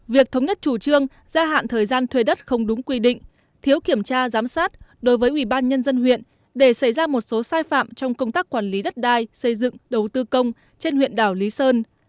việc thống nhất chủ trương gia hạn thời gian thuê đất không đúng quy định thiếu kiểm tra giám sát đối với ủy ban nhân dân huyện để xảy ra một số sai phạm trong công tác quản lý đất đai xây dựng đầu tư công trên huyện đảo lý sơn